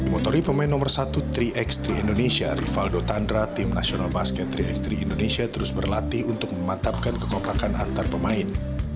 motori pemain nomor satu tiga x tiga indonesia rivaldo tandra tim nasional basket tiga x tiga indonesia terus berlatih untuk memantapkan kekompakan antar pemain